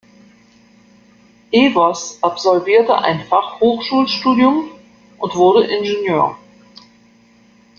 Evers absolvierte ein Fachhochschulstudium und wurde Ingenieur.